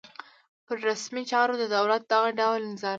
پر رسمي چارو د دولت دغه ډول نظارت.